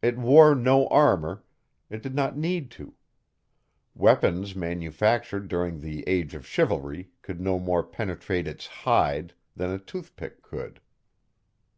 It wore no armor it did not need to: weapons manufactured during the Age of Chivalry could no more penetrate its "hide" than a tooth pick could.